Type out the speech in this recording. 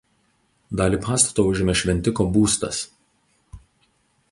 Dalį pastato užėmė šventiko būstas.